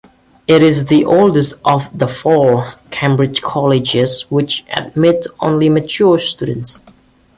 It is the oldest of the four Cambridge colleges which admit only mature students.